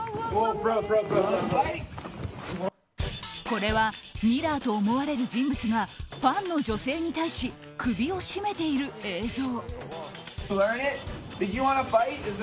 これはミラーと思われる人物がファンの女性に対し首を絞めている映像。